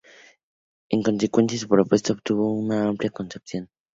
En consecuencia, su propuesta obtuvo una amplia aceptación.